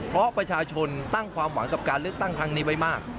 เพราะประชาชนตั้งความหวังกับการเลือกตั้งครั้งนี้ไว้มาก